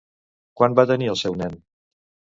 Quan va tenir el seu nen?